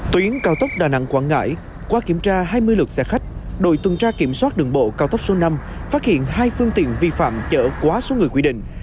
tuyến cao tốc đà nẵng quảng ngãi qua kiểm tra hai mươi lượt xe khách đội tuần tra kiểm soát đường bộ cao tốc số năm phát hiện hai phương tiện vi phạm chở quá số người quy định